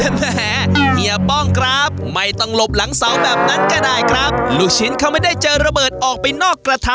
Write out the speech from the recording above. แหมเฮียป้องครับไม่ต้องหลบหลังเสาแบบนั้นก็ได้ครับลูกชิ้นเขาไม่ได้เจอระเบิดออกไปนอกกระทะ